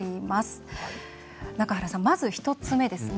中原さん、まず１つ目ですね。